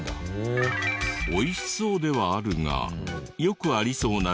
美味しそうではあるがよくありそうな地元のレストラン。